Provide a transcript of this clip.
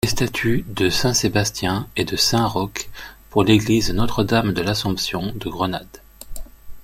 Les statues de Saint Sébastien et de Saint Roch pour l'Église Notre-Dame-de-l'Assomption de Grenade.